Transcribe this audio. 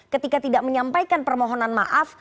ketika tidak menyampaikan permohonan maaf